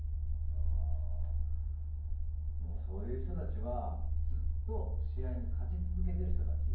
あもうそういう人たちはずっと試合に勝ち続けてる人たち。